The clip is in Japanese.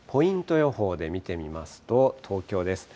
予報で見てみますと、東京です。